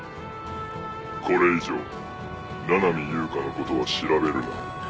これ以上七海悠香のことは調べるな。